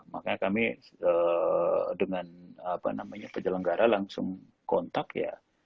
makanya kami dengan apa namanya pejelanggara langsung kontak ya